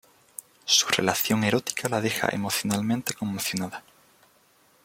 Su relación erótica la deja emocionalmente conmocionada.